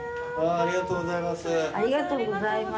ありがとうございます。